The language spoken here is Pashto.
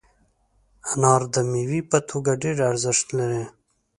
انار د میوې په توګه ډېر ارزښت لري.